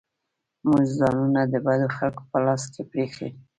موږ ځانونه د بدو خلکو په لاس کې پرېښي.